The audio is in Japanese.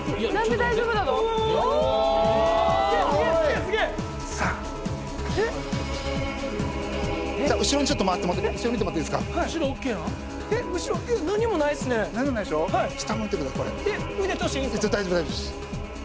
大丈夫です大丈夫です。